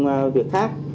những công việc khác